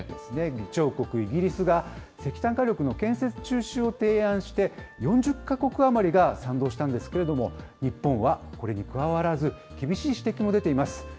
議長国、イギリスが石炭火力の建設中止を提案して４０か国余りが賛同したんですけれども、日本はこれに加わらず、厳しい指摘も出ています。